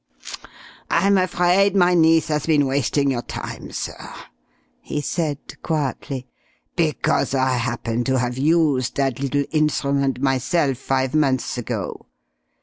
"I'm afraid my niece has been wasting your time, sir," he said quietly, "because I happen to have used that little instrument myself five months ago.